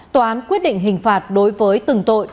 tòa án quyết định hình phạt đối với từng tội